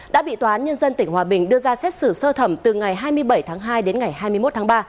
đã bị tòa án nhân dân tỉnh hòa bình đưa ra xét xử sơ thẩm từ ngày hai mươi bảy tháng hai đến ngày hai mươi một tháng ba